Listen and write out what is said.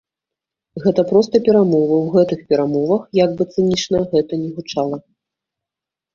Гэта проста перамовы ў гэтых перамовах, як бы цынічна гэта ні гучала.